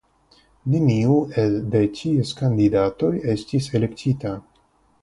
Neniu de ties kandidatoj estis elektita.